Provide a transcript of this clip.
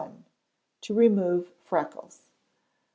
To Remove Freckles.